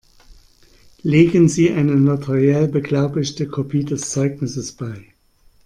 Legen Sie eine notariell beglaubigte Kopie des Zeugnisses bei.